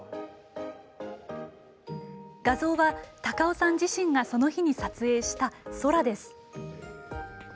画像は高尾さん自身がその日に撮影した空です。